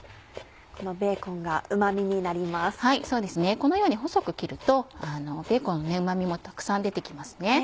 このように細く切るとベーコンのうま味もたくさん出て来ますね。